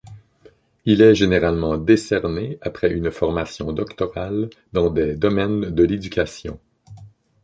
Il est généralement décerné après une formation doctorale dans des domaines de l'éducation.